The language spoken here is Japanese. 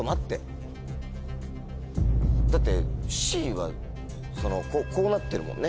だってＣはこうなってるもんね